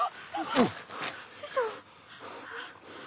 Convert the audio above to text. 師匠。